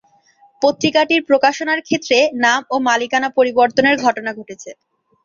পত্রিকাটির প্রকাশনার ক্ষেত্রে নাম ও মালিকানা পরিবর্তনের ঘটনা ঘটেছে।